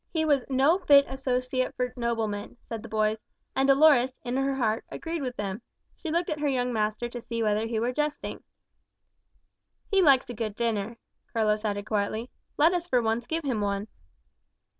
He was "no fit associate for noblemen," said the boys; and Dolores, in her heart, agreed with them. She looked at her young master to see whether he were jesting. "He likes a good dinner," Carlos added quietly. "Let us for once give him one."